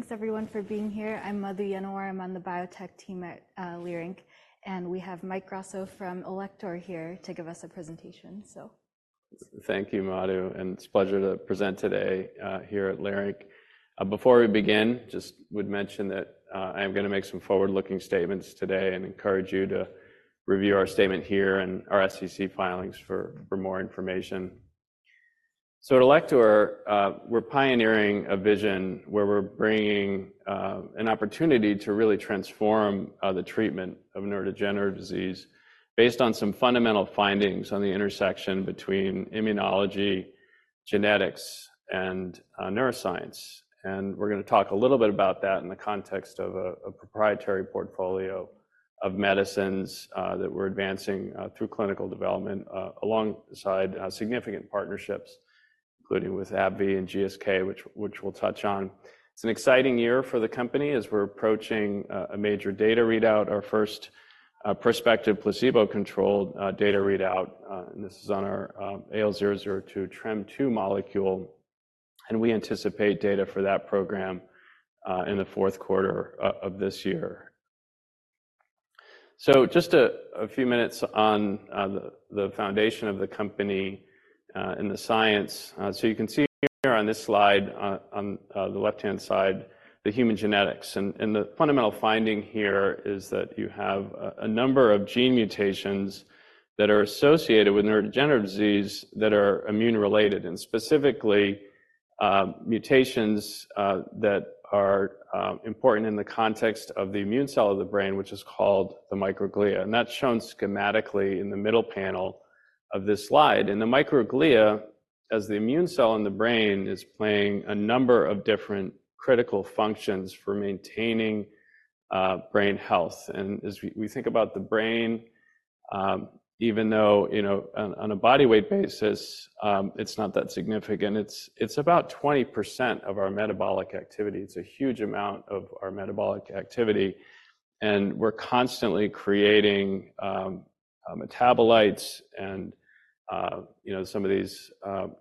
All right. Thanks everyone for being here. I'm Madhu Yennawar. I'm on the biotech team at Leerink, and we have Mike Rosso from Alector here to give us a presentation, so. Thank you, Madhu, and it's a pleasure to present today here at Leerink. Before we begin, just would mention that, I am gonna make some forward-looking statements today and encourage you to review our statement here and our SEC filings for, for more information. So at Alector, we're pioneering a vision where we're bringing an opportunity to really transform the treatment of neurodegenerative disease based on some fundamental findings on the intersection between immunology, genetics, and neuroscience. And we're gonna talk a little bit about that in the context of a proprietary portfolio of medicines that we're advancing through clinical development alongside significant partnerships, including with AbbVie and GSK, which we'll touch on. It's an exciting year for the company as we're approaching a major data readout, our first prospective placebo-controlled data readout, and this is on our AL002 TREM2 molecule, and we anticipate data for that program in the fourth quarter of this year. So just a few minutes on the foundation of the company and the science. So you can see here on this slide, on the left-hand side, the human genetics. The fundamental finding here is that you have a number of gene mutations that are associated with neurodegenerative disease that are immune-related, and specifically, mutations that are important in the context of the immune cell of the brain, which is called the microglia. And that's shown schematically in the middle panel of this slide. The microglia, as the immune cell in the brain, is playing a number of different critical functions for maintaining brain health. As we think about the brain, even though, you know, on a body weight basis, it's not that significant, it's about 20% of our metabolic activity. It's a huge amount of our metabolic activity, and we're constantly creating metabolites and, you know, some of these,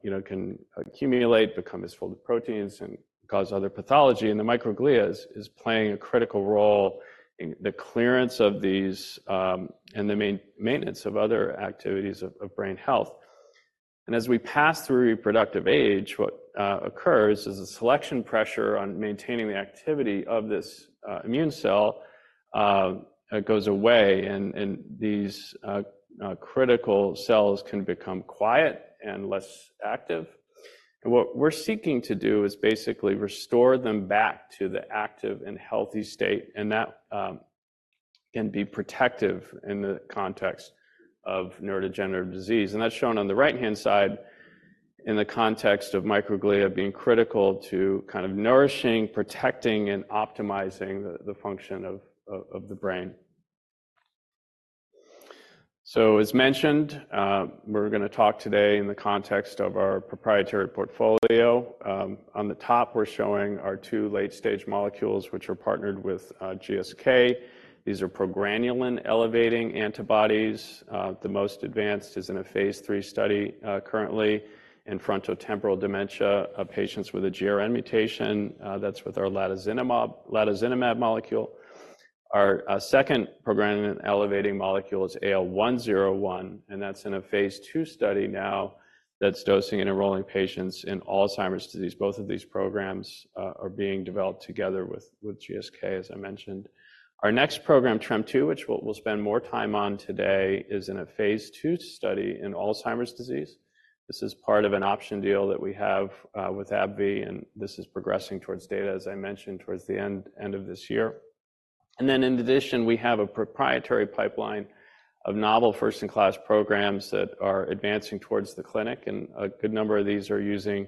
you know, can accumulate, become misfolded proteins and cause other pathology. The microglia is playing a critical role in the clearance of these and the maintenance of other activities of brain health. As we pass through reproductive age, what occurs is the selection pressure on maintaining the activity of this immune cell goes away, and these critical cells can become quiet and less active. What we're seeking to do is basically restore them back to the active and healthy state, and that can be protective in the context of neurodegenerative disease. That's shown on the right-hand side in the context of microglia being critical to kind of nourishing, protecting, and optimizing the function of the brain. So, as mentioned, we're gonna talk today in the context of our proprietary portfolio. On the top, we're showing our two late-stage molecules, which are partnered with GSK. These are progranulin-elevating antibodies. The most advanced is in a phase III study currently in frontotemporal dementia of patients with a GRN mutation. That's with our latozinemab, latozinemab molecule. Our second progranulin-elevating molecule is AL101, and that's in a phase II study now that's dosing and enrolling patients in Alzheimer's disease. Both of these programs are being developed together with GSK, as I mentioned. Our next program, TREM2, which we'll spend more time on today, is in a phase II study in Alzheimer's disease. This is part of an option deal that we have with AbbVie, and this is progressing towards data, as I mentioned, towards the end of this year. And then, in addition, we have a proprietary pipeline of novel first-in-class programs that are advancing towards the clinic, and a good number of these are using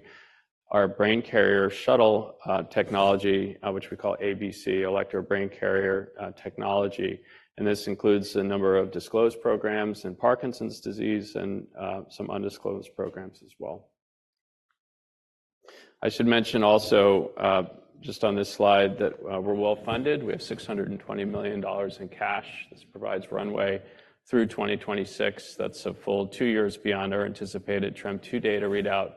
our brain carrier shuttle technology, which we call ABC, Alector Brain Carrier technology. And this includes a number of disclosed programs in Parkinson's disease and, some undisclosed programs as well. I should mention also, just on this slide, that, we're well-funded. We have $620 million in cash. This provides runway through 2026. That's a full two years beyond our anticipated TREM2 data readout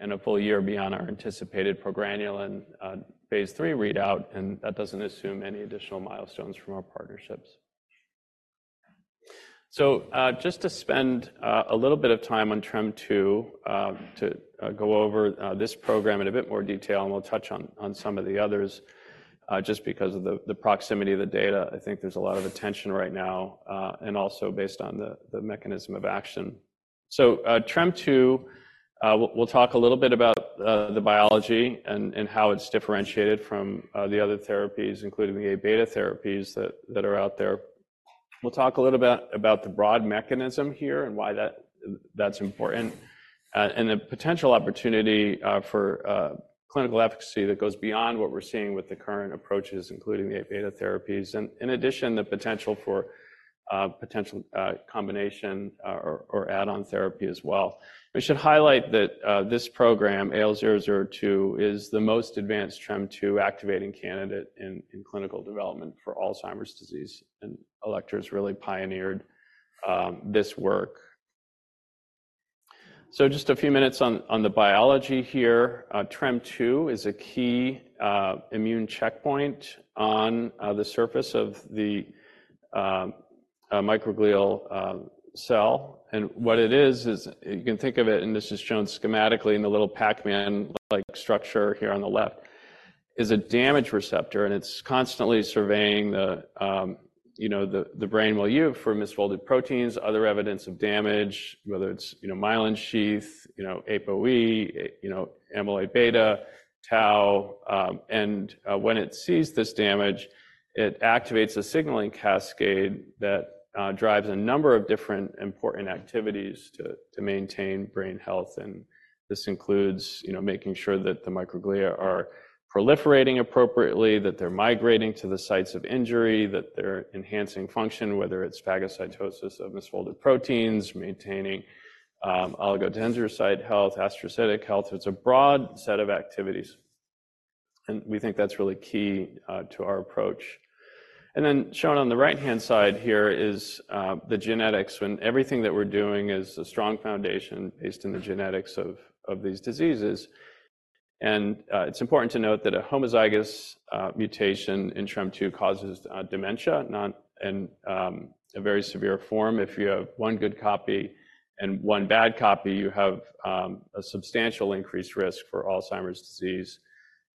and a full year beyond our anticipated progranulin phase 3 readout, and that doesn't assume any additional milestones from our partnerships. So, just to spend a little bit of time on TREM2, to go over this program in a bit more detail, and we'll touch on some of the others, just because of the proximity of the data. I think there's a lot of attention right now, and also based on the mechanism of action. So, TREM2, we'll talk a little bit about the biology and how it's differentiated from the other therapies, including the A-beta therapies that are out there. We'll talk a little bit about the broad mechanism here and why that, that's important, and the potential opportunity, for, clinical efficacy that goes beyond what we're seeing with the current approaches, including the A-beta therapies, and in addition, the potential for, potential, combination, or, or add-on therapy as well. We should highlight that, this program, AL002, is the most advanced TREM2 activating candidate in, clinical development for Alzheimer's disease, and Alector has really pioneered, this work.... So just a few minutes on, the biology here. TREM2 is a key, immune checkpoint on, the surface of the, microglial, cell. What it is is you can think of it, and this is shown schematically in the little Pac-Man-like structure here on the left: a damage receptor, and it's constantly surveying the brain, you know, for misfolded proteins, other evidence of damage, whether it's, you know, myelin sheath, you know, APOE, you know, amyloid beta, tau. When it sees this damage, it activates a signaling cascade that drives a number of different important activities to maintain brain health. This includes, you know, making sure that the microglia are proliferating appropriately, that they're migrating to the sites of injury, that they're enhancing function, whether it's phagocytosis of misfolded proteins, maintaining oligodendrocyte health, astrocytic health. It's a broad set of activities, and we think that's really key to our approach. And then shown on the right-hand side here is the genetics. When everything that we're doing is a strong foundation based on the genetics of these diseases. And it's important to note that a homozygous mutation in TREM2 causes dementia in a very severe form. If you have one good copy and one bad copy, you have a substantial increased risk for Alzheimer's disease.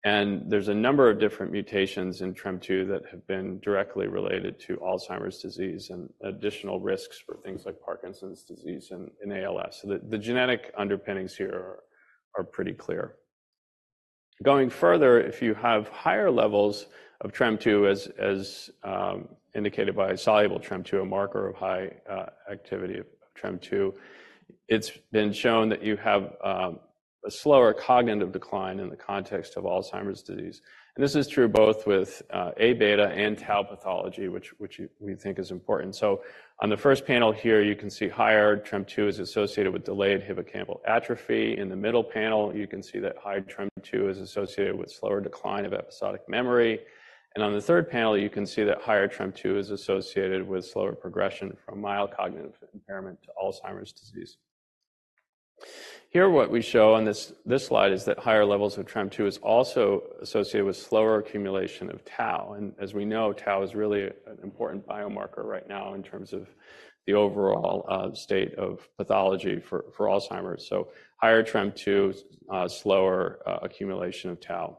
And there's a number of different mutations in TREM2 that have been directly related to Alzheimer's disease and additional risks for things like Parkinson's disease and ALS. So the genetic underpinnings here are pretty clear. Going further, if you have higher levels of TREM2, as indicated by soluble TREM2, a marker of high activity of TREM2, it's been shown that you have a slower cognitive decline in the context of Alzheimer's disease. And this is true both with Aβ and tau pathology, which we think is important. So on the first panel here, you can see higher TREM2 is associated with delayed hippocampal atrophy. In the middle panel, you can see that high TREM2 is associated with slower decline of episodic memory. And on the third panel, you can see that higher TREM2 is associated with slower progression from mild cognitive impairment to Alzheimer's disease. Here, what we show on this slide is that higher levels of TREM2 is also associated with slower accumulation of tau. As we know, tau is really an important biomarker right now in terms of the overall state of pathology for Alzheimer's. So higher TREM2, slower accumulation of tau.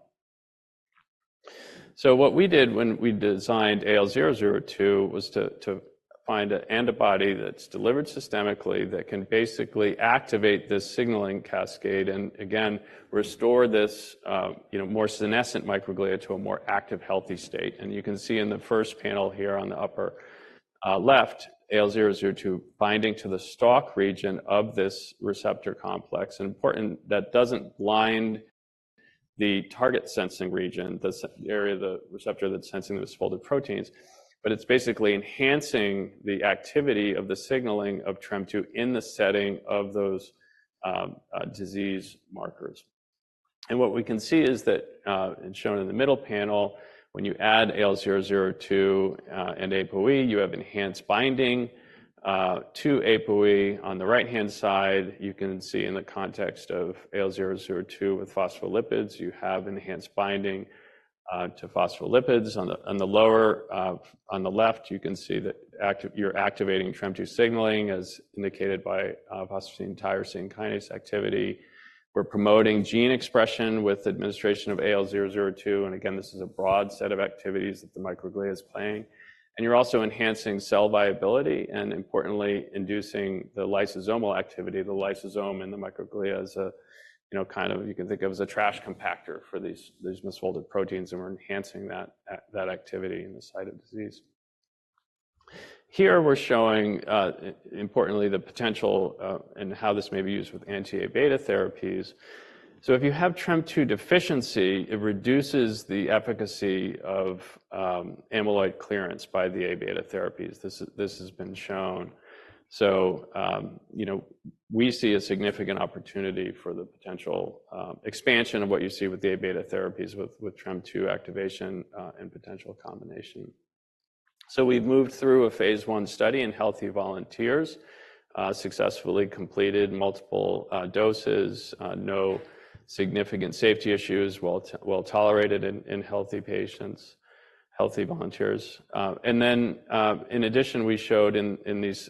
So what we did when we designed AL002 was to find an antibody that's delivered systemically, that can basically activate this signaling cascade, and again, restore this, you know, more senescent microglia to a more active, healthy state. And you can see in the first panel here on the upper left, AL002 binding to the stalk region of this receptor complex. And important, that doesn't line the target sensing region, the area of the receptor that's sensing those folded proteins, but it's basically enhancing the activity of the signaling of TREM2 in the setting of those disease markers. What we can see is that, shown in the middle panel, when you add AL002 and APOE, you have enhanced binding to APOE. On the right-hand side, you can see in the context of AL002 with phospholipids, you have enhanced binding to phospholipids. On the lower left, you can see that you're activating TREM2 signaling, as indicated by phosphotyrosine kinase activity. We're promoting gene expression with administration of AL002, and again, this is a broad set of activities that the microglia is playing. You're also enhancing cell viability and, importantly, inducing the lysosomal activity. The lysosome in the microglia is a, you know, kind of, you can think of as a trash compactor for these misfolded proteins, and we're enhancing that activity in the site of disease. Here, we're showing, importantly, the potential, and how this may be used with anti-Aβ therapies. So if you have TREM2 deficiency, it reduces the efficacy of, amyloid clearance by the Aβ therapies. This, this has been shown. So, you know, we see a significant opportunity for the potential, expansion of what you see with the Aβ therapies with, with TREM2 activation, and potential combination. So we've moved through a phase I study in healthy volunteers, successfully completed multiple, doses, no significant safety issues, well tolerated in, in healthy patients, healthy volunteers. And then, in addition, we showed in, in these,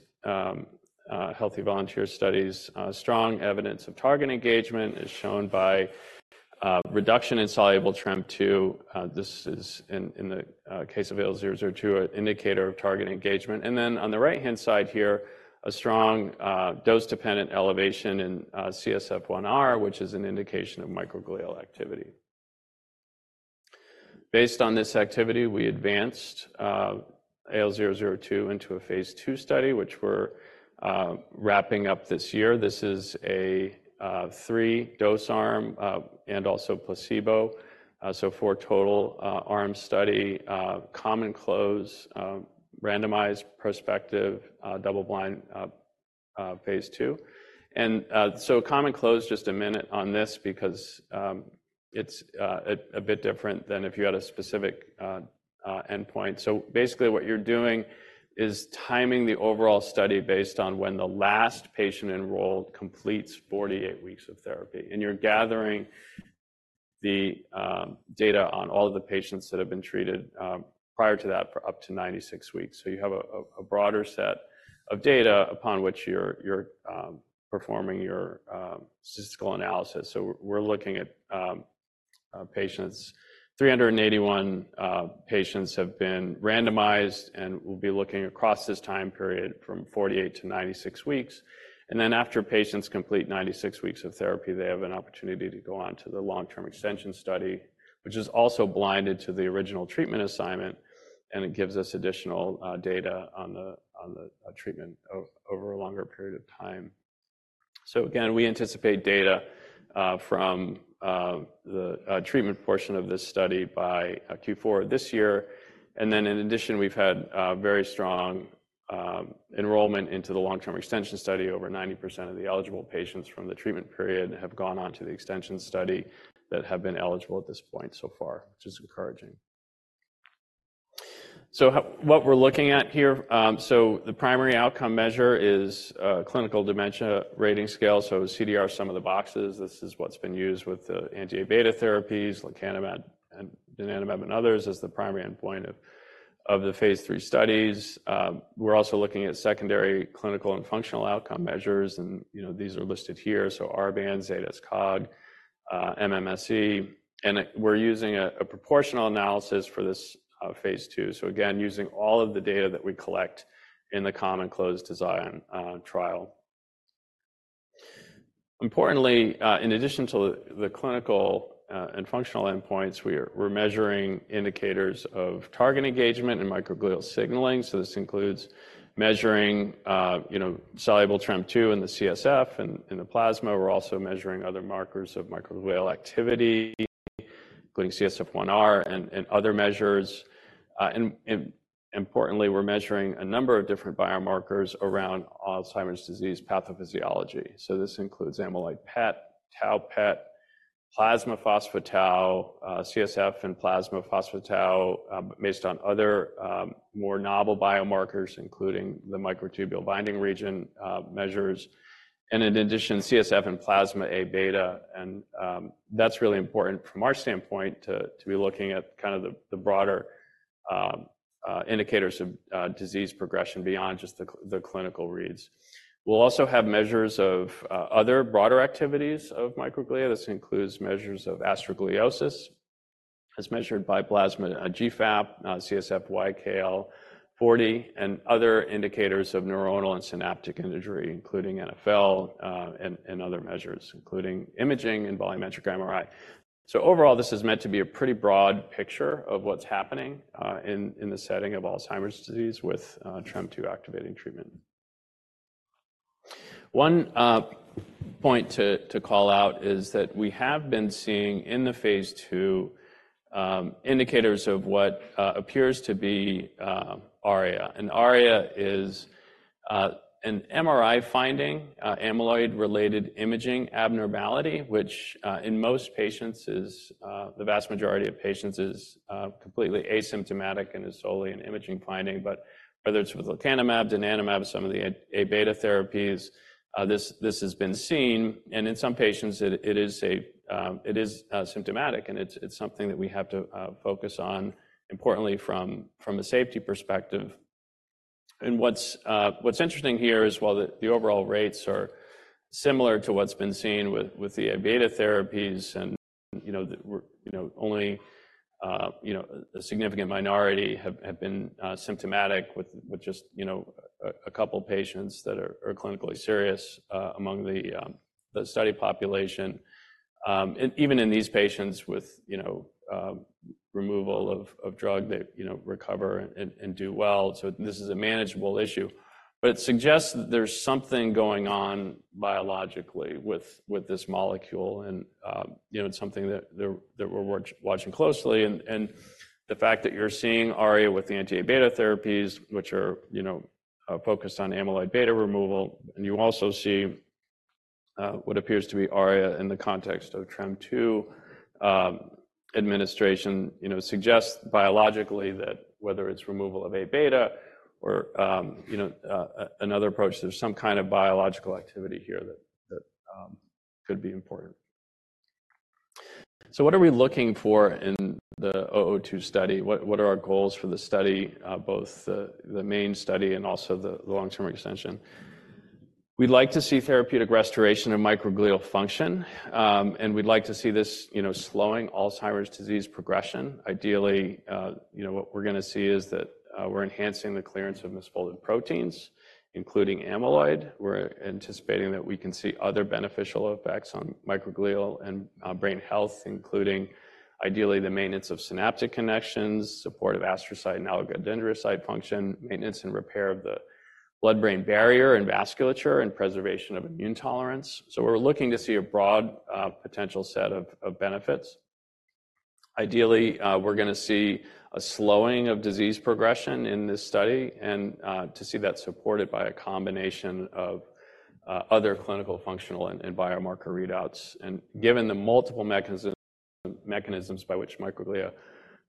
healthy volunteer studies, strong evidence of target engagement as shown by, reduction in soluble TREM2. This is in, in the, case of AL002, an indicator of target engagement. And then on the right-hand side here, a strong, dose-dependent elevation in, CSF1R, which is an indication of microglial activity. Based on this activity, we advanced, AL002 into a phase II study, which we're, wrapping up this year. This is a, three-dose arm, and also placebo. So four total, arm study, common close, randomized, prospective, double blind, phase II. And so common close, just a minute on this because, it's, a, a bit different than if you had a specific, endpoint. So basically, what you're doing is timing the overall study based on when the last patient enrolled completes 48 weeks of therapy, and you're gathering the, data on all of the patients that have been treated, prior to that for up to 96 weeks. So you have a broader set of data upon which you're performing your statistical analysis. So we're looking at patients. 381 patients have been randomized, and we'll be looking across this time period from 48-96 weeks. And then, after patients complete 96 weeks of therapy, they have an opportunity to go on to the long-term extension study, which is also blinded to the original treatment assignment, and it gives us additional data on the treatment over a longer period of time. So again, we anticipate data from the treatment portion of this study by Q4 this year. And then, in addition, we've had very strong enrollment into the long-term extension study. Over 90% of the eligible patients from the treatment period have gone on to the extension study that have been eligible at this point so far, which is encouraging. What we're looking at here, so the primary outcome measure is Clinical Dementia Rating Scale, so CDR sum of boxes. This is what's been used with the anti-A-beta therapies, lecanemab and donanemab and others, as the primary endpoint of the phase III studies. We're also looking at secondary clinical and functional outcome measures, and, you know, these are listed here. So RBANS, ADAS-Cog, MMSE, and we're using a proportional analysis for this phase II. So again, using all of the data that we collect in the common closed design trial. Importantly, in addition to the clinical and functional endpoints, we're measuring indicators of target engagement and microglial signaling. So this includes measuring, you know, soluble TREM2 in the CSF and in the plasma. We're also measuring other markers of microglial activity, including CSF1R and other measures. And importantly, we're measuring a number of different biomarkers around Alzheimer's disease pathophysiology. So this includes amyloid PET, tau PET, plasma phospho-tau, CSF and plasma phospho-tau, based on other more novel biomarkers, including the microtubule binding region measures, and in addition, CSF and plasma Aβ. And that's really important from our standpoint to be looking at kind of the broader indicators of disease progression beyond just the clinical reads. We'll also have measures of other broader activities of microglia. This includes measures of astrogliosis, as measured by plasma GFAP, CSF YKL-40, and other indicators of neuronal and synaptic injury, including NfL, and other measures, including imaging and volumetric MRI. So overall, this is meant to be a pretty broad picture of what's happening in the setting of Alzheimer's disease with TREM2 activating treatment. One point to call out is that we have been seeing in the phase II indicators of what appears to be ARIA. And ARIA is an MRI finding, amyloid-related imaging abnormality, which in most patients is the vast majority of patients is completely asymptomatic and is solely an imaging finding. But whether it's with lecanemab, donanemab, some of the A, A-beta therapies, this has been seen, and in some patients, it is a, it is symptomatic, and it's something that we have to focus on, importantly, from a safety perspective. And what's interesting here is, while the overall rates are similar to what's been seen with the A-beta therapies, and, you know, we're only a significant minority have been symptomatic with just a couple patients that are clinically serious among the study population. And even in these patients with, you know, removal of drug, they, you know, recover and do well. So this is a manageable issue, but it suggests that there's something going on biologically with this molecule, and you know, it's something that we're watching closely. And the fact that you're seeing ARIA with the anti-A-beta therapies, which are, you know, focused on amyloid beta removal, and you also see what appears to be ARIA in the context of TREM2 administration, you know, suggests biologically that whether it's removal of A beta or you know another approach, there's some kind of biological activity here that could be important. So what are we looking for in the AL002 study? What are our goals for the study both the main study and also the long-term extension? We'd like to see therapeutic restoration of microglial function, and we'd like to see this, you know, slowing Alzheimer's disease progression. Ideally, you know, what we're gonna see is that, we're enhancing the clearance of misfolded proteins, including amyloid. We're anticipating that we can see other beneficial effects on microglial and, brain health, including, ideally, the maintenance of synaptic connections, supportive astrocyte and oligodendrocyte function, maintenance and repair of the blood-brain barrier and vasculature, and preservation of immune tolerance. So we're looking to see a broad, potential set of, of benefits.... Ideally, we're gonna see a slowing of disease progression in this study, and, to see that supported by a combination of, other clinical, functional, and, biomarker readouts. Given the multiple mechanisms by which microglia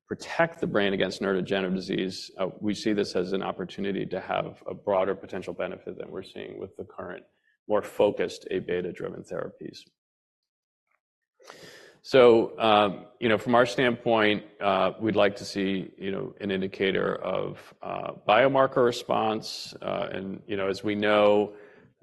protect the brain against neurodegenerative disease, we see this as an opportunity to have a broader potential benefit than we're seeing with the current, more focused A-beta driven therapies. So, you know, from our standpoint, we'd like to see, you know, an indicator of biomarker response. And, you know, as we know,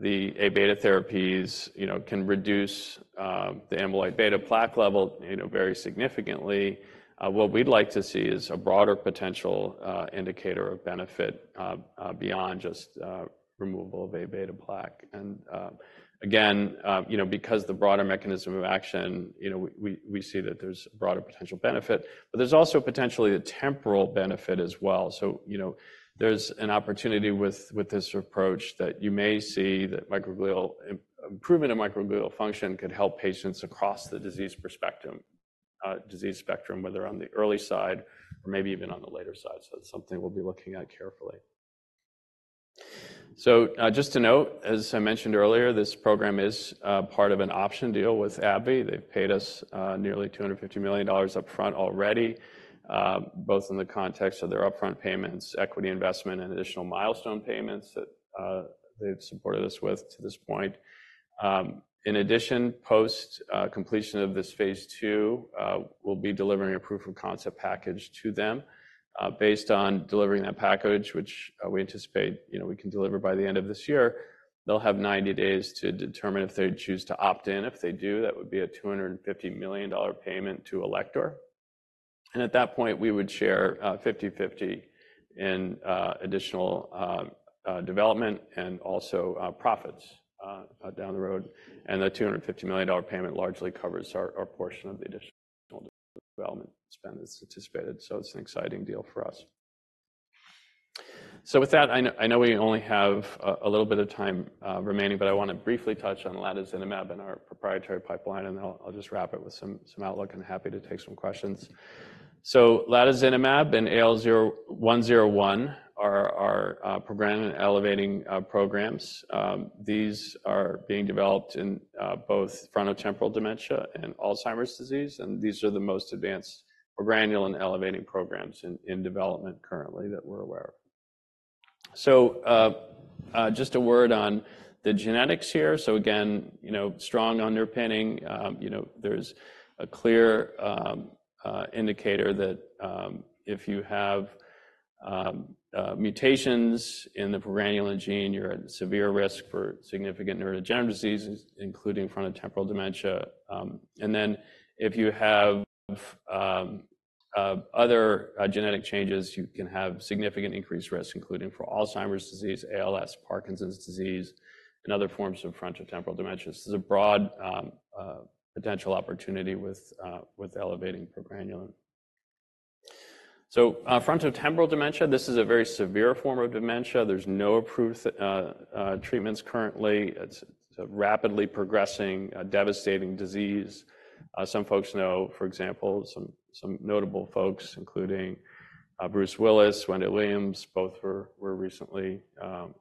the A-beta therapies, you know, can reduce the amyloid beta plaque level, you know, very significantly. What we'd like to see is a broader potential indicator of benefit beyond just removal of A-beta plaque. And, again, you know, because the broader mechanism of action, you know, we see that there's a broader potential benefit, but there's also potentially a temporal benefit as well. So, you know, there's an opportunity with this approach that you may see that microglial improvement in microglial function could help patients across the disease spectrum, whether on the early side or maybe even on the later side. So that's something we'll be looking at carefully. So, just to note, as I mentioned earlier, this program is part of an option deal with AbbVie. They've paid us nearly $250 million upfront already, both in the context of their upfront payments, equity investment, and additional milestone payments that they've supported us with to this point. In addition, post completion of this phase II, we'll be delivering a proof of concept package to them. Based on delivering that package, which, we anticipate, you know, we can deliver by the end of this year, they'll have 90 days to determine if they'd choose to opt in. If they do, that would be a $250 million payment to Alector. And at that point, we would share, 50/50 in, additional, development and also, profits, down the road. And the $250 million payment largely covers our, our portion of the additional development spend that's anticipated. So it's an exciting deal for us. So with that, I know we only have a, a little bit of time, remaining, but I wanna briefly touch on latozinemab and our proprietary pipeline, and then I'll, I'll just wrap it with some, some outlook, and happy to take some questions. So latozinemab and AL101 are our progranulin elevating programs. These are being developed in both frontotemporal dementia and Alzheimer's disease, and these are the most advanced progranulin elevating programs in development currently that we're aware of. So, just a word on the genetics here. So again, you know, strong underpinning. You know, there's a clear indicator that if you have mutations in the progranulin gene, you're at severe risk for significant neurodegenerative diseases, including frontotemporal dementia. And then, if you have other genetic changes, you can have significant increased risk, including for Alzheimer's disease, ALS, Parkinson's disease, and other forms of frontotemporal dementia. This is a broad potential opportunity with elevating progranulin. So, frontotemporal dementia, this is a very severe form of dementia. There's no approved treatments currently. It's a rapidly progressing devastating disease. Some folks know, for example, some notable folks, including Bruce Willis, Wendy Williams, both were recently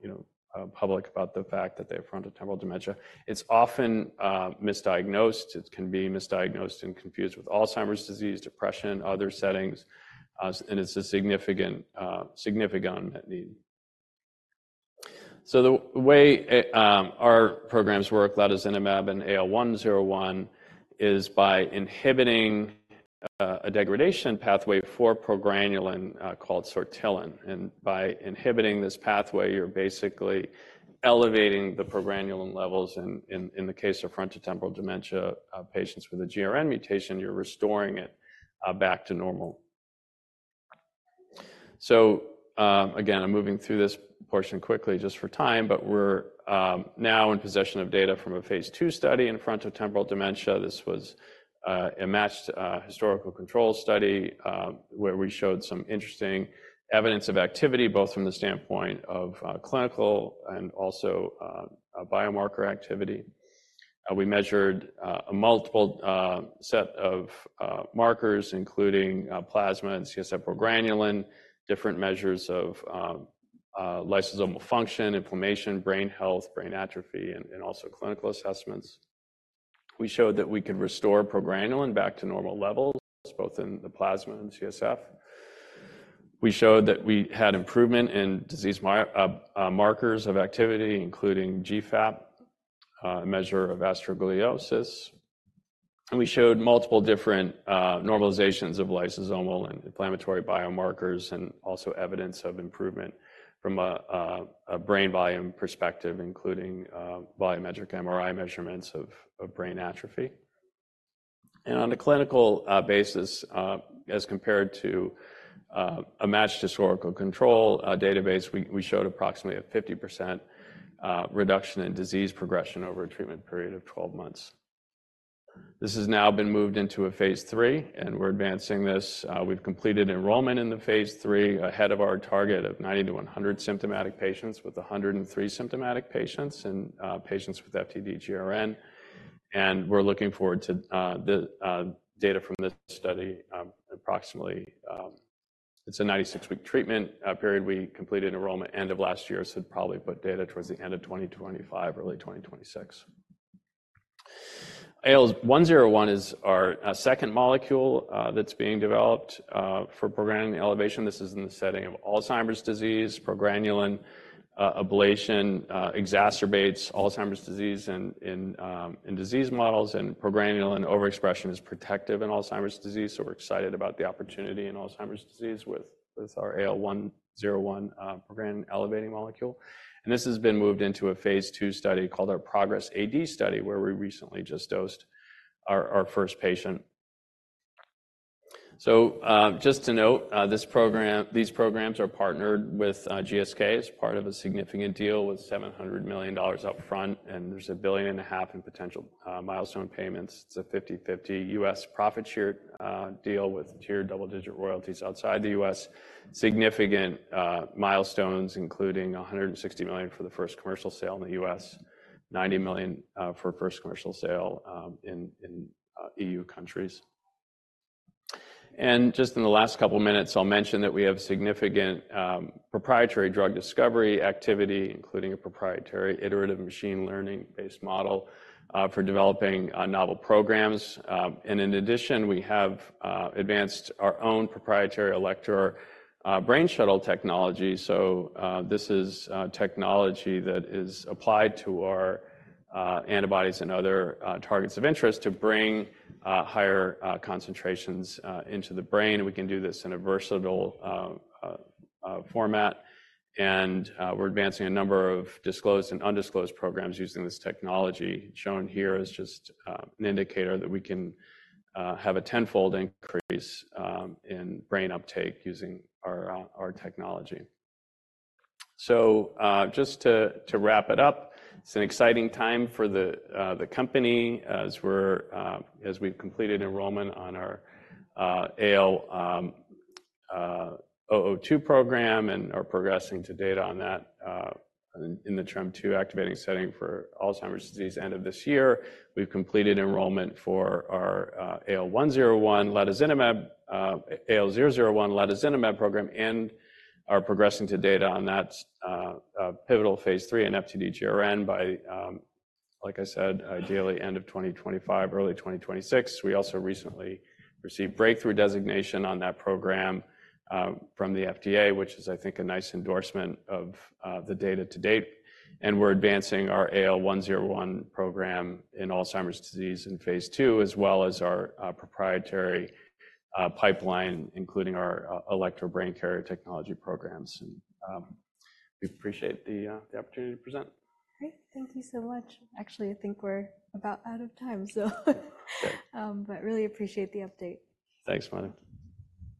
you know public about the fact that they have frontotemporal dementia. It's often misdiagnosed. It can be misdiagnosed and confused with Alzheimer's disease, depression, other settings and it's a significant unmet need. So the way our programs work, latozinemab and AL101, is by inhibiting a degradation pathway for progranulin called sortilin. And by inhibiting this pathway, you're basically elevating the progranulin levels in the case of frontotemporal dementia patients with a GRN mutation, you're restoring it back to normal. So, again, I'm moving through this portion quickly just for time, but we're now in possession of data from a phase 2 study in frontotemporal dementia. This was a matched historical control study, where we showed some interesting evidence of activity, both from the standpoint of clinical and also a biomarker activity. We measured a multiple set of markers, including plasma and CSF progranulin, different measures of lysosomal function, inflammation, brain health, brain atrophy, and also clinical assessments. We showed that we could restore progranulin back to normal levels, both in the plasma and CSF. We showed that we had improvement in disease markers of activity, including GFAP, a measure of astrogliosis. We showed multiple different normalizations of lysosomal and inflammatory biomarkers, and also evidence of improvement from a brain volume perspective, including biometric MRI measurements of brain atrophy. On a clinical basis, as compared to a matched historical control database, we showed approximately a 50% reduction in disease progression over a treatment period of 12 months. This has now been moved into a phase 3, and we're advancing this. We've completed enrollment in the phase 3, ahead of our target of 90-100 symptomatic patients, with 103 symptomatic patients and patients with FTD-GRN... and we're looking forward to the data from this study, approximately, it's a 96-week treatment period. We completed enrollment end of last year, so it'd probably put data towards the end of 2025, early 2026. AL101 is our second molecule that's being developed for progranulin elevation. This is in the setting of Alzheimer's disease. Progranulin ablation exacerbates Alzheimer's disease in disease models, and progranulin overexpression is protective in Alzheimer's disease. So we're excited about the opportunity in Alzheimer's disease with our AL101 progranulin-elevating molecule. And this has been moved into a phase II study called our PROGRESS-AD study, where we recently just dosed our first patient. So just to note, this program—these programs are partnered with GSK as part of a significant deal with $700 million up front, and there's $1.5 billion in potential milestone payments. It's a 50/50 U.S. profit share deal with tiered double-digit royalties outside the U.S. Significant milestones, including $160 million for the first commercial sale in the U.S., $90 million for first commercial sale in EU countries. And just in the last couple minutes, I'll mention that we have significant proprietary drug discovery activity, including a proprietary iterative machine learning-based model for developing novel programs. And in addition, we have advanced our own proprietary Alector Brain Carrier technology. So, this is technology that is applied to our antibodies and other targets of interest to bring higher concentrations into the brain, and we can do this in a versatile format. And, we're advancing a number of disclosed and undisclosed programs using this technology. Shown here is just an indicator that we can have a tenfold increase in brain uptake using our technology. So, just to wrap it up, it's an exciting time for the company, as we've completed enrollment on our AL002 program and are progressing to data on that in the TREM2 activating setting for Alzheimer's disease end of this year. We've completed enrollment for our AL101 lecanemab AL001 lecanemab program and are progressing to data on that pivotal phase 3 in FTD-GRN by, like I said, ideally end of 2025, early 2026. We also recently received breakthrough designation on that program from the FDA, which is, I think, a nice endorsement of the data to date, and we're advancing our AL101 program in Alzheimer's disease in phase II, as well as our proprietary pipeline, including our Alector Brain Carrier technology programs. And we appreciate the opportunity to present. Great. Thank you so much. Actually, I think we're about out of time, so, but really appreciate the update. Thanks, Madhu.